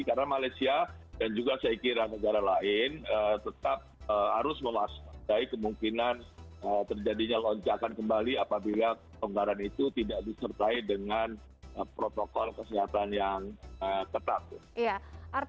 karena malaysia dan juga saya kira negara lain tetap harus melaksanakan kemungkinan terjadinya loncakan kembali apabila pelonggaran itu tidak disertai dengan protokol kesehatan yang tetap